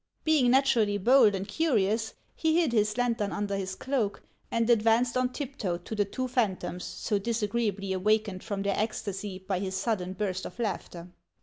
Being naturally bold and curious, he hid his lantern under his cloak, and advanced on tiptoe to the two phantoms, so disagreeably awakened from their ecstasy by his sudden burst of laughter.